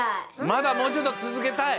まだもうちょっとつづけたい？